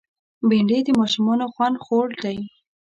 بېنډۍ د ماشومانو خوند خوړ دی